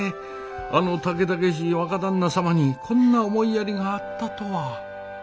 あの猛々しい若旦那様にこんな思いやりがあったとは・